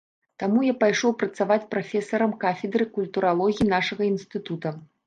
Таму я пайшоў працаваць прафесарам кафедры культуралогіі нашага інстытута.